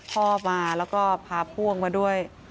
พ่อมาแล้วก็พาพวกมาด้วย